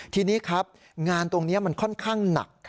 ทีนี้ครับงานตรงนี้มันค่อนข้างหนัก